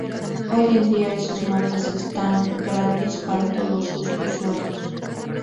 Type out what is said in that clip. Hoy en día esos mapas están gratis para todos sus usuarios.